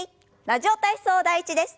「ラジオ体操第１」です。